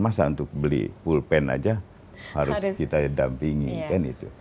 masa untuk beli pulpen aja harus kita dampingi kan itu